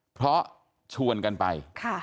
เพราะชวนกันไป